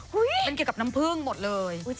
มันเกี่ยวกับน้ำผึ้งหมดเลย